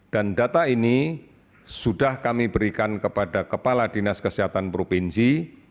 data ini sudah kami berikan kepada kepala dinas kesehatan provinsi